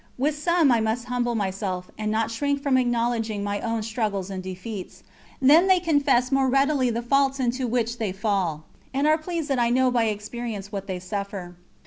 With some I must humble myself, and not shrink from acknowledging my own struggles and defeats; then they confess more readily the faults into which they fall, and are pleased that I know by experience what they suffer.